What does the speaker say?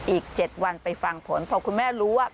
อีก๗วันไปฟังผลพอคุณแม่รู้ว่า